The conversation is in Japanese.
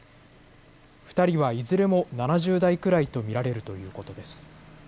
２人はいずれも７０代くらいと見られるということです。